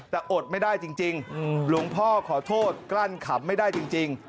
แต่อดไม่ได้จริงหลวงพ่อขอโทษกลั้นขำไม่ได้จริง